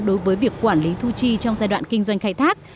đối với việc quản lý thu chi trong giai đoạn kinh doanh khai thác